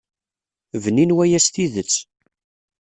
Bnin waya s tidet.